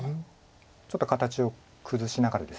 ちょっと形を崩しながらです